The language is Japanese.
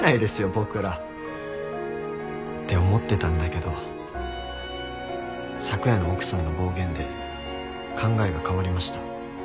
僕ら。って思ってたんだけど昨夜の奥さんの暴言で考えが変わりました。